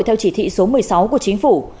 theo chỉ thị số một mươi sáu của chính phủ